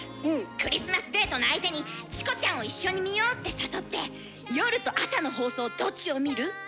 クリスマスデートの相手に「チコちゃんを一緒に見よう」って誘って「夜と朝の放送どっちを見る？」と聞いて下さい。